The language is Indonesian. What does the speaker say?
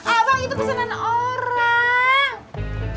abang itu kesanan orang